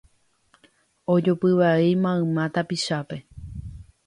Ojopy vai mayma tapichápe